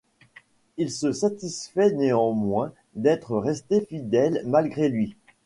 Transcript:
Il se satisfait néanmoins d'être resté fidèle, malgré lui.